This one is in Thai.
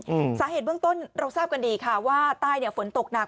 อืมสาเหตุเบื้องต้นเราทราบกันดีค่ะว่าใต้เนี้ยฝนตกหนัก